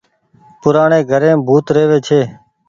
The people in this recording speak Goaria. پورآڻي گهريم ڀوت ريوي ڇي۔